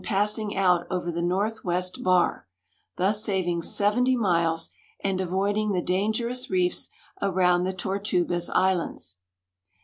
ssing out over the northwest l>ar, thus saving 70 miles and avoiding the dangerous reefs around the Tortugas islands.